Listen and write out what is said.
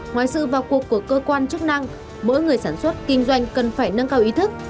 ngoài sự vào cuộc của cơ quan chức năng mỗi người sản xuất kinh doanh cần phải nâng cao ý thức